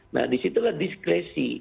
nah disitulah diskresi